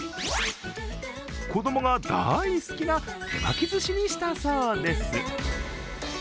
子供が大好きな手巻きずしにしたそうです。